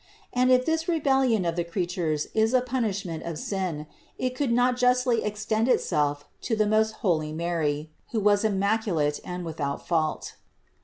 And if this rebellion of the creatures is a punishment of sin, it could not justly extend itself to the most holy Mary, who was immaculate and without fault.